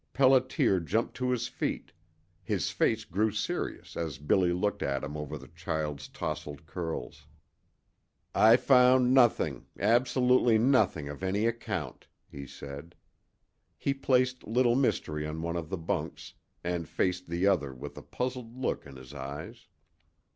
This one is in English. Pelliter jumped to his feet; his face grew serious as Billy looked at him over the child's tousled curls. "I found nothing absolutely nothing of any account," he said. He placed Little Mystery on one of the bunks and faced the other with a puzzled look in his eyes.